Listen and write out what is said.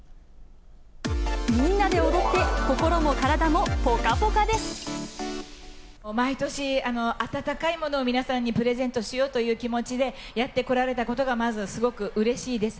みんなで踊って、心も体もぽ毎年、温かいものを皆さんにプレゼントしようという気持ちでやってこられたことがまずすごくうれしいです。